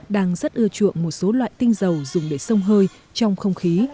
đang rất ưa chuộng một số loại tinh dầu dùng để sông hơi trong không khí